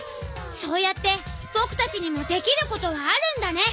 そうやってぼくたちにもできることがあるんだね。